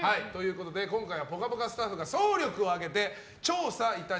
今回は「ぽかぽか」スタッフが総力を挙げて調査！